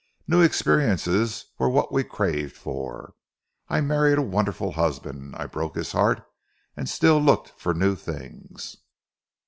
New experiences were what we craved for. I married a wonderful husband. I broke his heart and still looked for new things.